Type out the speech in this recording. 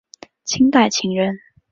清代琴人。